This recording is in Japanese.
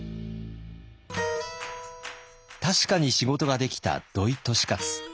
確かに仕事ができた土井利勝。